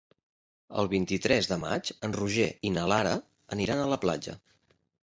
El vint-i-tres de maig en Roger i na Lara aniran a la platja.